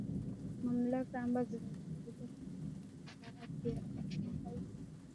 mamlaka ambazo zinashughulikia maswala za afya nchini haiti